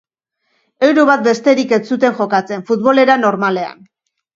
Euro bat besterik ez zuten jokatzen, futbolera normalean.